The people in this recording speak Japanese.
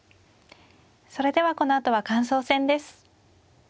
それではこのあとは感想戦です。